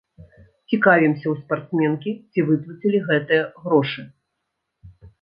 Цікавімся ў спартсменкі, ці выплацілі гэтыя грошы.